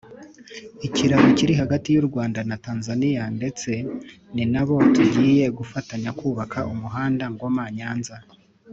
ikiraro kiri hagati y’u Rwanda na Tanzaniya ndetse ni na bo tugiye gufatanya kubaka umuhanda Ngoma-Nyanza